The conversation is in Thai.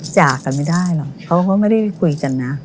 จากกันไม่ได้หรอกเขาก็ไม่ได้คุยกันนะ